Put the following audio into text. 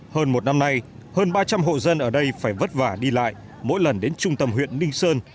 hơn một năm nay hơn ba trăm linh hộ dân ở đây phải vất vả đi lại mỗi lần đến trung tâm huyện ninh sơn